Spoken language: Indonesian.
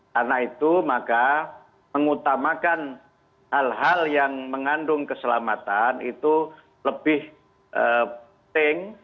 karena itu maka mengutamakan hal hal yang mengandung keselamatan itu lebih penting